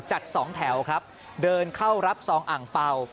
สองแถวครับเดินเข้ารับซองอ่างเป่า